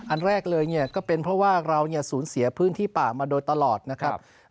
อันแรกเลยเนี่ยก็เป็นเพราะว่าเราสูญเสียพื้นที่ป่ามาโดยตลอดนะครับ